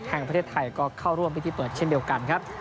แห่งประเทศไทยก็เข้าร่วมพิธีเปิดเช่นเดียวกันครับ